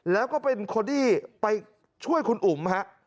แล้วก็เป็นคนที่ไปช่วยคุณอุ๋มฮะ